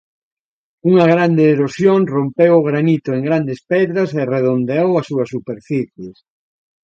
Unha gran erosión rompeu o granito en grandes pedras e redondeou as súas superficies.